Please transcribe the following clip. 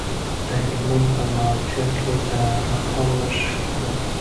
د هلمند په مارجه کې د رخام نښې شته.